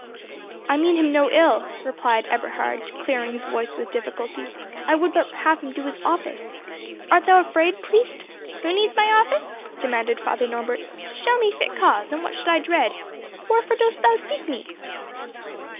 "I mean him no ill," replied Eberhard, clearing his voice with difficulty; "I would but have him do his office. Art thou afraid, priest?" "Who needs my office?" demanded Father Norbert. "Show me fit cause, and what should I dread? Wherefore dost thou seek me?"